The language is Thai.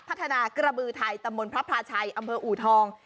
พัฒนากระบือไทยตำบลพระพลาชัยอำเภออูทอง